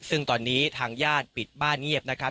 ซึ่งตอนนี้ทางญาติปิดบ้านเงียบนะครับ